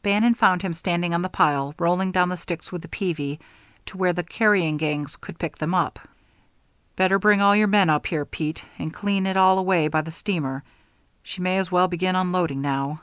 Bannon found him standing on the pile, rolling down the sticks with a peavey to where the carrying gangs could pick them up. "Better bring all your men up here, Pete, and clean it all away by the steamer. She may as well begin unloading now."